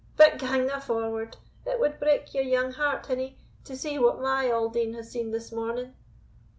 But gang na forward; it wad break your young heart, hinny, to see what my auld een hae seen this morning."